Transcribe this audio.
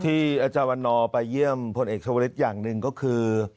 ที่อัจจาวนอไปเยี่ยมพลเอกชวลิศอย่างหนึ่งก็คือ